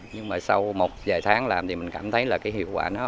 nhưng mà sau một vài tháng làm thì mình cảm thấy là cái hiệu quả nó